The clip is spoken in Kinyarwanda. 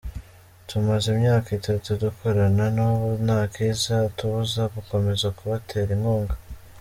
Tumaze imyaka itatu dukorana n’ubu ntakizatubuza gukomeza kubatera inkunga.